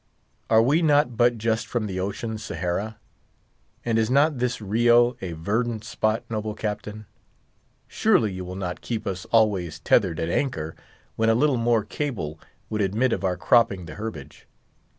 Are we not but just from the ocean Sahara? and is not this Rio a verdant spot, noble Captain? Surely you will not keep us always tethered at anchor, when a little more cable would admit of our cropping the herbage!